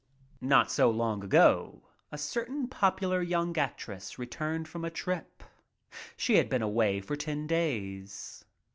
74 SODOM OUTDONE Not so long ago a certain popular young actress returned from a trip. She had been away for ten days.